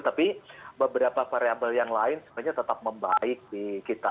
tapi beberapa variable yang lain sebenarnya tetap membaik di kita